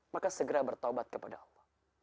maka segera bertaubat kepada allah